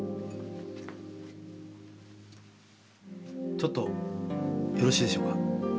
ちょっとよろしいでしょうか？